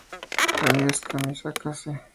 Alias: Kamikaze.